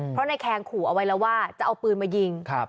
เพราะนายแคงขู่เอาไว้แล้วว่าจะเอาปืนมายิง